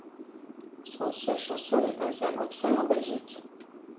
Son siège social est basé à Bruxelles en Belgique.